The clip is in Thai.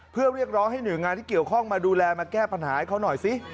เพื่อเรียกร้องให้หน่วยงานที่เกี่ยวข้องมาดูแลมาแก้ปัญหาให้เขาหน่อยสิ